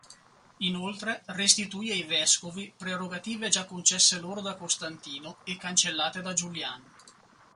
Inoltre restituì ai vescovi prerogative già concesse loro da Costantino e cancellate da Giuliano.